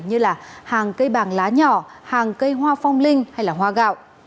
như là hàng cây bàng lá nhỏ hàng cây hoa phong linh hay hoa gạo